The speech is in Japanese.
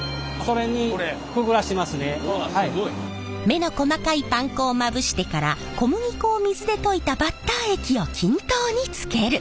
目の細かいパン粉をまぶしてから小麦粉を水で溶いたバッター液を均等につける。